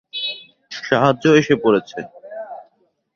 সাহায্য এসে পড়েছে!